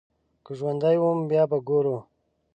که ژوندی وم بيا به ګورو.